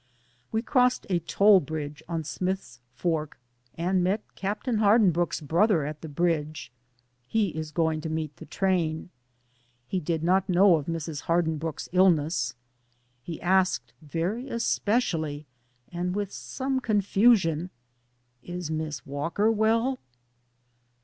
We crossed a toll bridge on Smith's Fork, and met Captain Hardinbrooke^s brother at DAYS ON THE ROAD. 233 the bridge. He is going to meet the train. He did not know of Mrs. Hardinbrooke's illness. He asked very especially and with some confusion, *'Is Miss Walker well?'